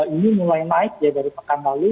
ini mulai naik ya dari pekan lalu